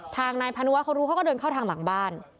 ทางนายพานุวะเขารู้เขาก็เดินเข้าทางหลังบ้าน